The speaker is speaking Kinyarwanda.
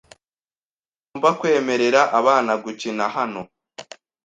Ntugomba kwemerera abana gukina hano.